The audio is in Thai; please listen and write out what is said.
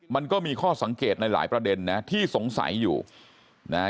มันก็มีข้อสังเกตในหลายประเด็นนะที่สงสัยอยู่นะฮะ